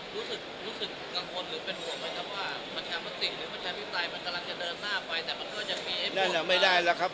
รู้สึกกังวลหรือเป็นห่วงไหมครับว่าประชาภาษีหรือประชาภิกษามันกำลังจะเดินหน้าไป